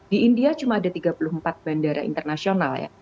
di india cuma ada tiga puluh empat bandara internasional ya